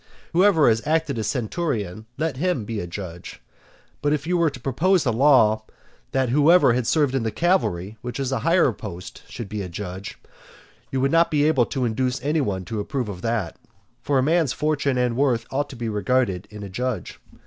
Whoever has acted as centurion, let him be a judge. But if you were to propose a law, that whoever had served in the cavalry, which is a higher post, should be a judge, you would not be able to induce any one to approve of that; for a man's fortune and worth ought to be regarded in a judge.